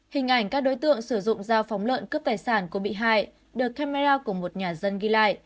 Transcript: hình ảnh các đối tượng sử dụng dao phóng lợn cướp tài sản của bị hại được camera của một nhà dân ghi lại